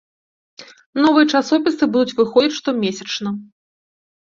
Новыя часопісы будуць выходзіць штомесячна.